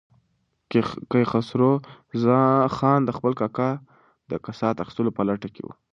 کیخسرو خان د خپل کاکا د کسات اخیستلو په لټه کې و.